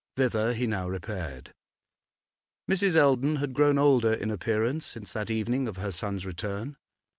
Thither he now repaired. Mrs. Eldon had grown older in appearance since that evening of her son's return.